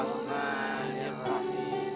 ya yang dibunuh ini